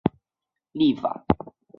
藏历藏族人民的传统历法。